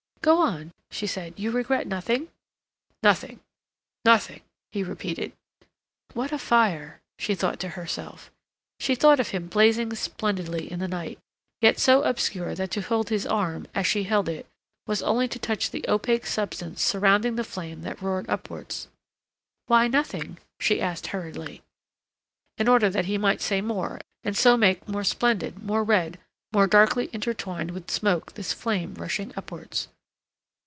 "Go on," she said. "You regret nothing—" "Nothing—nothing," he repeated. "What a fire!" she thought to herself. She thought of him blazing splendidly in the night, yet so obscure that to hold his arm, as she held it, was only to touch the opaque substance surrounding the flame that roared upwards. "Why nothing?" she asked hurriedly, in order that he might say more and so make more splendid, more red, more darkly intertwined with smoke this flame rushing upwards.